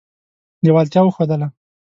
لېوالتیا وښودله.